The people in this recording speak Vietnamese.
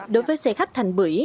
đối với xe khách thành bưởi